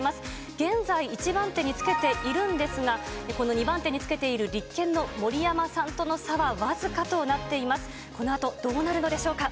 現在、１番手につけているんですが、この２番手につけている立憲の森山さんとの差は僅かとなっています。